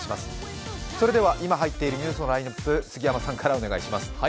今入っているニュースのラインナップ、杉山さんからお願いします。